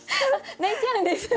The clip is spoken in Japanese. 泣いちゃうんですね。